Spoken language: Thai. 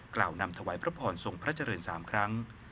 กล่าวนำถวายพระพรทรงพระเจริญ๓ครั้ง